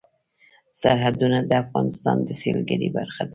سرحدونه د افغانستان د سیلګرۍ برخه ده.